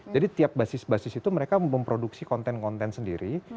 jadi tiap basis basis itu mereka memproduksi konten konten sendiri